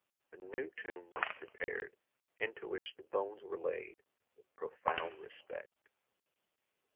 A new tomb was prepared into which the bones were laid with profound respect.